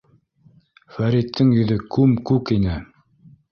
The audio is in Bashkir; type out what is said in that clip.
Фәриттең йөҙө күм-күк ине.